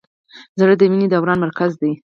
زړه د وینې دوران مرکز دی.